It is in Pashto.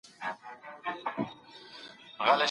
په لاس لیکلنه پر نورو د تکیې مخه نیسي.